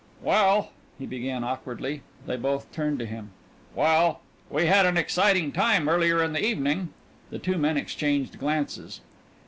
"Well" he began awkwardly. They both turned to him. "Well, we we had an exciting time earlier in the evening." The two men exchanged glances.